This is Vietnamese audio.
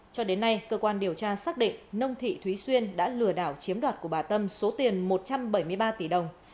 cho đến nay cơ quan điều tra xác định nông thị thúy xuyên đã lừa đảo chiếm đoạt của bà tâm số tiền một trăm bảy mươi ba tỷ đồng